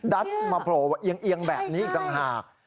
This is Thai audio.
มาโผล่เอียงแบบนี้อีกต่างหาก